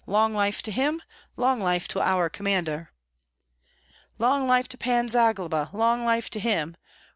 Long life to him! Long life to our commander!" "Long life to Pan Zagloba! long life to him!"